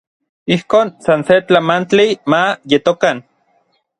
Ijkon san se tlamantli ma yetokan.